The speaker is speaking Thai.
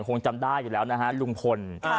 คงจำได้อยู่แล้วนะฮะลุงพล